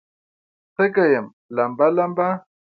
تږې یم لمبه، لمبه